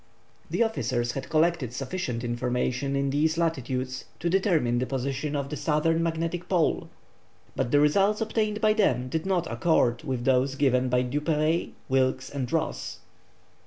The officers had collected sufficient information in these latitudes to determine the position of the southern magnetic pole, but the results obtained by them did not accord with those given by Duperrey, Wilkes, and Ross.